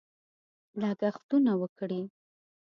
لګښتونه وکړي.